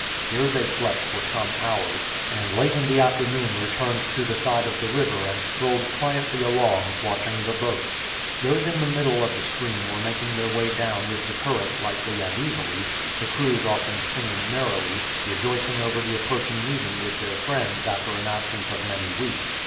Here they slept for some hours, and late in the afternoon returned to the side of the river and strolled quietly along, watching the boats. Those in the middle of the stream were making their way down with the current lightly and easily, the crews often singing merrily, rejoicing over the approaching meeting with their friends after an absence of many weeks.